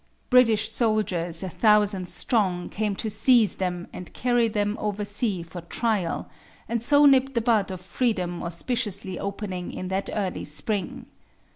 British soldiers, a thousand strong, came to seize them and carry them over sea for trial, and so nip the bud of Freedom auspiciously opening in that early spring.